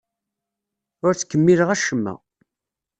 Ur ttkemmileɣ acemma.